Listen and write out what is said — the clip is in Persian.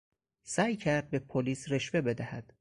سعی کرد به پلیس رشوه بدهد.